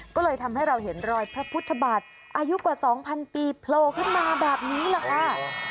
ก็เลยทำให้เราเห็นรอยพระพุทธบาทอายุกว่า๒๐๐ปีโผล่ขึ้นมาแบบนี้แหละค่ะ